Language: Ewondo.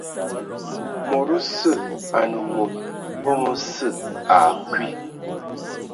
Mod osə anə mod evom sə akwi.